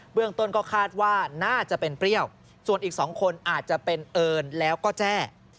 เรื่องต้นก็คาดว่าน่าจะเป็นเปรี้ยวส่วนอีก๒คนอาจจะเป็นเอิญแล้วก็แจ้